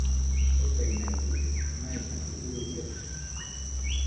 okainaiñede, naimakɨ uruiaɨsa